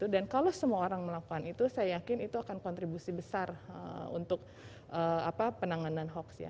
dan kalau semua orang melakukan itu saya yakin itu akan kontribusi besar untuk penanganan hoax